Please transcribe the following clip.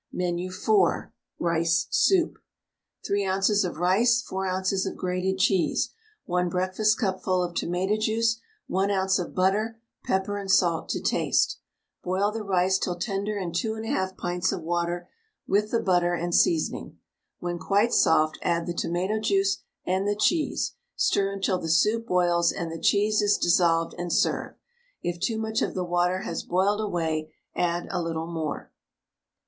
MENU IV. RICE SOUP. 3 oz. of rice, 4 oz. of grated cheese, 1 breakfastcupful of tomato juice, 1 oz. of butter, pepper and salt to taste. Boil the rice till tender in 2 1/2 pints of water, with the butter and seasoning. When quite soft, add the tomato juice and the cheese; stir until the soup boils and the cheese is dissolved, and serve. If too much of the water has boiled away, add a little more.